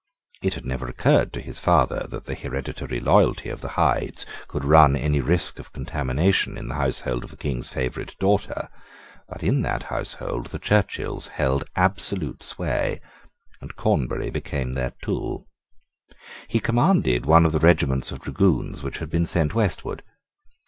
It had never occurred to his father that the hereditary loyalty of the Hydes could run any risk of contamination in the household of the King's favourite daughter: but in that household the Churchills held absolute sway; and Cornbury became their tool. He commanded one of the regiments of dragoons which had been sent westward.